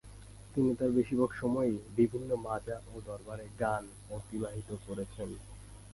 তিনি তার জীবনের বেশিরভাগ সময়ই বিভিন্ন মাজার ও দরবারে গান অতিবাহিত করেছেন।